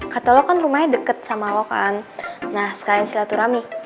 kata lo kan rumahnya deket sama allah kan nah sekalian silaturahmi